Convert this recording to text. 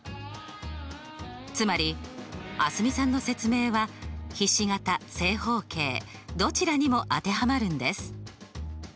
つまり蒼澄さんの説明はひし形正方形どちらにも当てはまるんです。